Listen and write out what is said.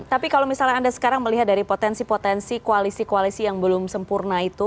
tapi kalau misalnya anda sekarang melihat dari potensi potensi koalisi koalisi yang belum sempurna itu